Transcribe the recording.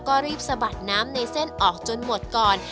ก็รีบสะบัดน้ำในเส้นออกจนหมดก่อน